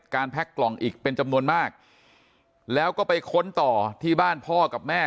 แพ็คกล่องอีกเป็นจำนวนมากแล้วก็ไปค้นต่อที่บ้านพ่อกับแม่